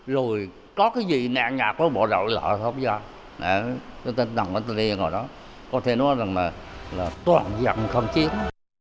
rồi có cái gì nẹ nhạt bộ đội lỡ không do có thể nói là toàn dặn kháng chiến